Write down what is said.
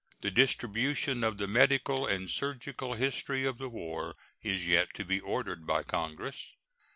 The distribution of the Medical and Surgical History of the War is yet to be ordered by Congress.